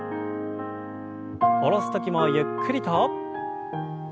下ろす時もゆっくりと。